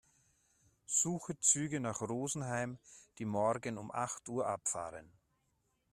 Suche Züge nach Rosenheim, die morgen um acht Uhr abfahren.